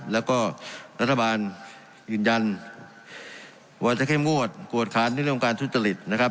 แล้วก็รัฐบาลยืนยันว่าจะเข้มงวดกวดค้านในเรื่องการทุจริตนะครับ